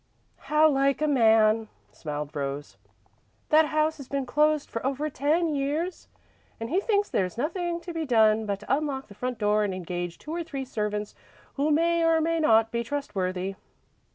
'" "How like a man," smiled Rose. "That house has been closed for over ten years, and he thinks there is nothing to be done but to unlock the front door and engage two or three servants who may or may not be trustworthy."